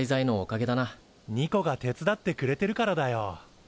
ニコが手伝ってくれてるからだよ。